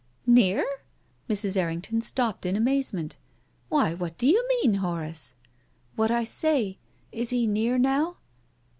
" "Near?" Mrs. Errington stopped in amazement. "Why, what do you mean, Horace?" " What I say. Is he near now